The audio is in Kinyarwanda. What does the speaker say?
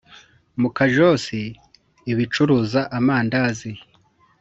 mu kajos ibacuruza amandazi